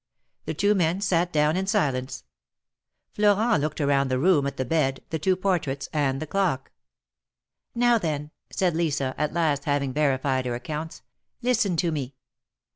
The two men sat down in silence. Florent looked around the room at the bed, the two portraits, and the clock. '^Now then," said Lisa, at last having verified her accounts, listen to me.